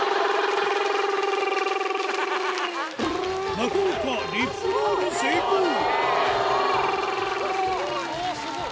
中岡リップロール成功スゴい！